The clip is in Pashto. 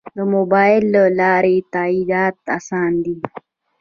د موبایل له لارې تادیات اسانه دي؟